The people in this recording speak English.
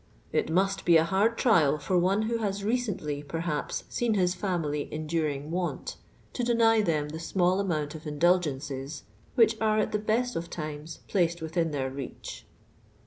It must bo a hard trial for one who has recently, perhaps, seen his family enduring want, to deny them the small amount of indulgences, which arc, at the best of times, placed within their reach."